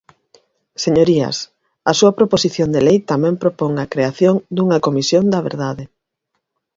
Señorías, a súa proposición de lei tamén propón a creación dunha Comisión da Verdade.